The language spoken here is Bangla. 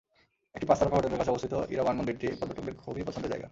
একটি পাঁচ তারকা হোটেলের কাছে অবস্থিত ইরাওয়ান মন্দিরটি পর্যটকদের খুবই পছন্দের জায়গা।